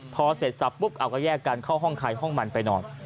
พอเสร็จสับปุ๊บเอาก็แยกกันเข้าห้องใครห้องมันไปนอน